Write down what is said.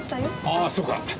ああそうか。